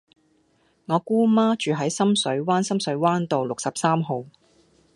我姑媽住喺深水灣深水灣道六十三號